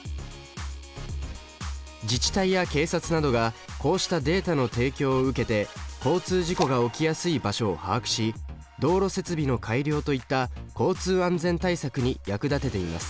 自治体や警察などがこうしたデータの提供を受けて交通事故が起きやすい場所を把握し道路設備の改良といった交通安全対策に役立てています。